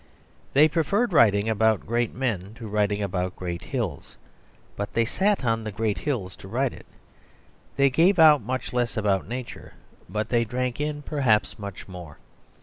They preferred writing about great men to writing about great hills; but they sat on the great hills to write it. They gave out much less about Nature, but they drank in, perhaps, much more.